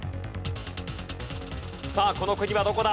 さあこの国はどこだ？